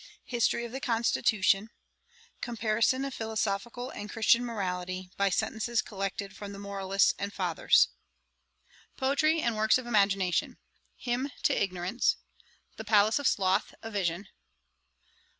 'History of the Constitution. 'Comparison of Philosophical and Christian Morality, by sentences collected from the moralists and fathers. 'Plutarch's Lives, in English, with notes. 'POETRY and works of IMAGINATION. 'Hymn to Ignorance. 'The Palace of Sloth, a vision.